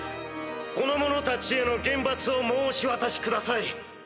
この者たちへの厳罰を申し渡しください。